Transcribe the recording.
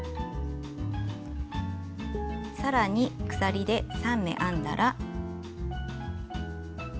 さらに鎖で３目編んだら。